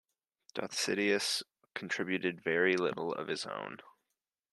Dositheus contributed very little of his own.